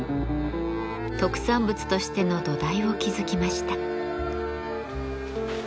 特産物としての土台を築きました。